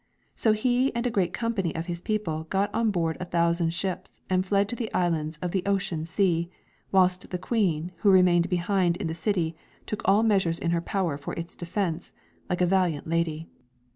So he and a great company of his people got on board a thousand ships and fled to the islands of the Ocean Sea, whilst the Queen who remained behind in the city took all measures in her power for its defence, like a valiant lady.